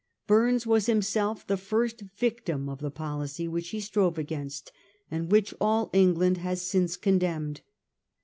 Burnes was himself the first victim of the policy which he strove against, and which all England has since condemned.